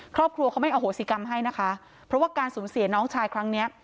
ครอบครัวเขาไม่อโหสิกรรมให้นะคะเพราะว่าการสูญเสียน้องชายครั้งเนี้ย